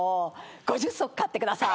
５０足買ってください。